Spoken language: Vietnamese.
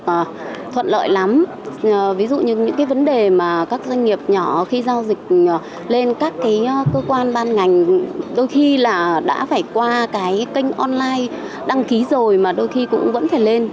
và thuận lợi lắm ví dụ như những cái vấn đề mà các doanh nghiệp nhỏ khi giao dịch lên các cái cơ quan ban ngành đôi khi là đã phải qua cái kênh online đăng ký rồi mà đôi khi cũng vẫn phải lên